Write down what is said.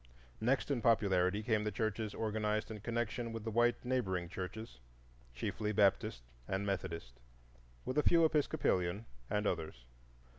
Next in popularity came the churches organized in connection with the white neighboring churches, chiefly Baptist and Methodist, with a few Episcopalian and others.